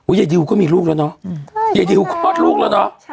อุ้ยอาหารก็มีลูกแล้วเนอะ